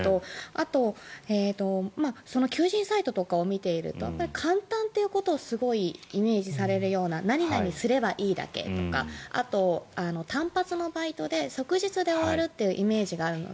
あと求人サイトとかを見ていると簡単ということをすごくイメージされるような何々すればいいだけとかあと、単発のバイトで即日で終わるっていうイメージがあるので。